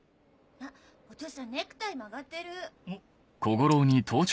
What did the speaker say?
あっお父さんネクタイ曲がってる。